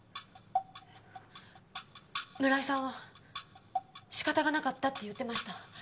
村井さんは仕方がなかったって言ってました。